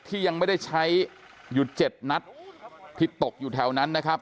ที่ยังไม่ได้ใช้อยู่เจ็ดนัดที่ตกอยู่แถวนั้นนะครับ